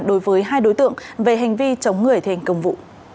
đối với hai đối tượng về hành vi chống người thi hành công vụ